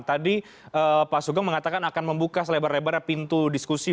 tadi pak sugeng mengatakan akan membuka selebar lebar pintu diskusi